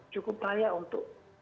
cukup layak untuk